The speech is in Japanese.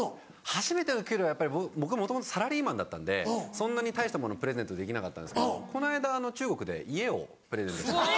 初めての給料はやっぱり僕もともとサラリーマンだったんでそんなに大したものプレゼントできなかったんですけどこの間中国で家をプレゼントしました。